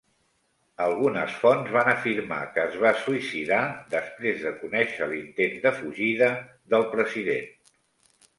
Algunes fonts van afirmar que es va suïcidar després de conèixer l'intent de fugida del president.